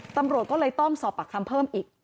ตำรวจก็เลยต้องสอบปากคำเพิ่มอีก